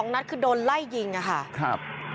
นัดคือโดนไล่ยิงอะค่ะ